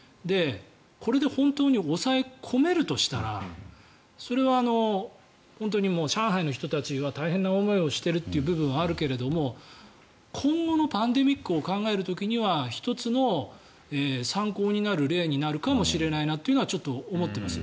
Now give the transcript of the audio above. これで本当に抑え込めるとしたらそれは本当にもう上海の人たちは大変な思いをしている部分はあるけれども今後のパンデミックを考える時には１つの参考になる例になるかもしれないなとはちょっと思っています。